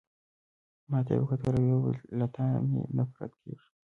ما ته يې وکتل او ويې ویل: له تا مي نفرت کیږي.